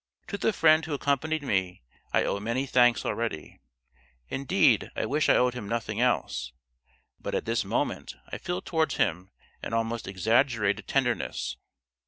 To the friend who accompanied me I owe many thanks already, indeed I wish I owed him nothing else; but at this moment I feel towards him an almost exaggerated tenderness.